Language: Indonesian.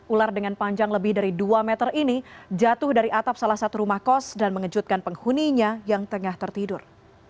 ular dengan panjang lebih dari dua meter ini jatuh dari atap salah satu rumah kos dan mengejutkan penghuninya yang tengah tertidur